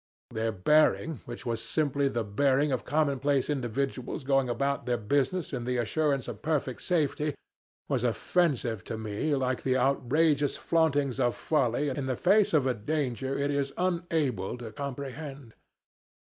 Their bearing, which was simply the bearing of commonplace individuals going about their business in the assurance of perfect safety, was offensive to me like the outrageous flauntings of folly in the face of a danger it is unable to comprehend.